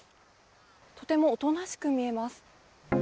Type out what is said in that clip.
とてもおとなしく見えます。